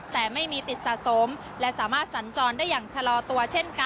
แต่ไม่มีติดสะสมและสามารถสัญจรได้อย่างชะลอตัวเช่นกัน